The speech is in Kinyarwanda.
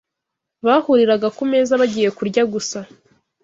bahuriraga ku meza bagiye kurya gusa